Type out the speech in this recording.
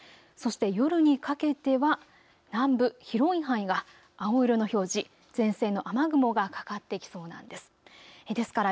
そして夜にかけては南部、広い範囲が青色の表示、前線の雨雲がかかってきそうなんです。